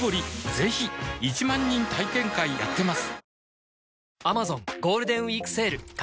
ぜひ１万人体験会やってますはぁ。